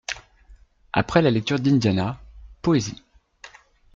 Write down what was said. Après la lecture d'Indiana, poésie.